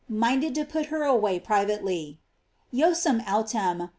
minded to put her away private ly : "Joseph autem.